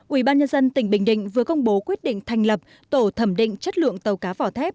ubnd tỉnh bình định vừa công bố quyết định thành lập tổ thẩm định chất lượng tàu cá vỏ thép